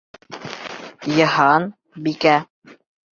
Йыһан... бикә?